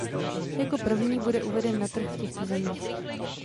Jako první bude uveden na trh v těchto zemích.